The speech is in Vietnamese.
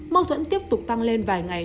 mâu thuẫn tiếp tục tăng lên vài ngày